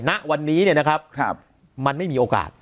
ณวันนี้มันไม่มีโอกาส